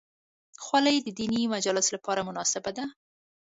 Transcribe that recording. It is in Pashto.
خولۍ د دیني مجالسو لپاره مناسبه ده.